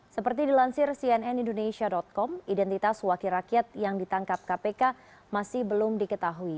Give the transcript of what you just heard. seperti dilansir cnn indonesia com identitas wakil rakyat yang ditangkap kpk masih belum diketahui